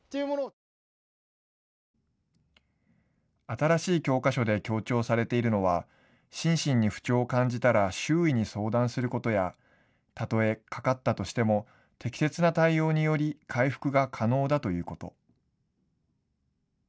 新しい教科書で強調されているのは、心身に不調を感じたら周囲に相談することやたとえかかったとしても適切な対応により回復が可能だということ。